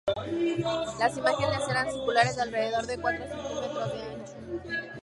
Las imágenes eran circulares, de alrededor de cuatro centímetros de ancho.